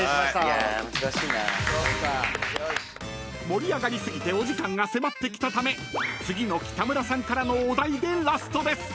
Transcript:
［盛り上がり過ぎてお時間が迫ってきたため次の北村さんからのお題でラストです］